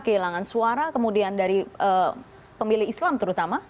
kehilangan suara kemudian dari pemilih islam terutama